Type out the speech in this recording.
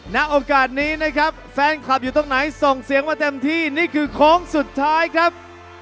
ณโอกาสนี้นะครับแฟนคลับอยู่ตรงไหนส่งเสียงมาเต็มที่นี่คือโค้งสุดท้ายครับ